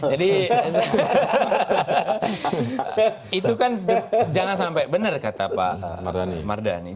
jadi itu kan jangan sampai benar kata pak mardhani